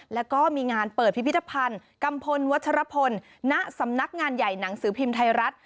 แล้วก็มีงานเปิดพิพิธภัณฑ์กัมพลวัชรพลณสำนักงานใหญ่หนังสือพิมพ์ไทยรัฐ